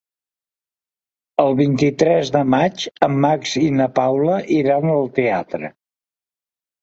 El vint-i-tres de maig en Max i na Paula iran al teatre.